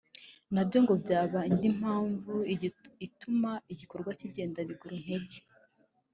nabyo ngo byaba indi mpamvu ituma igikorwa kigenda biguruntege